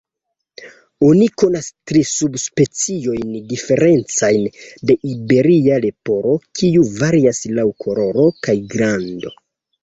Oni konas tri subspeciojn diferencajn de Iberia leporo, kiuj varias laŭ koloro kaj grando.